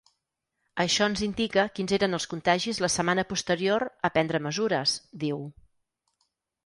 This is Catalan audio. Això ens indica quins eren els contagis la setmana posterior a prendre mesures, diu.